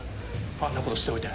あんなことしておいて。